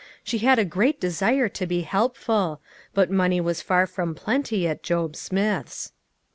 She had a great desire to be helpful ; but money was far from plenty at Job Smith's.